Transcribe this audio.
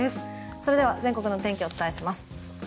それでは全国のお天気をお伝えします。